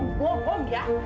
kamu tuh kebohongan ya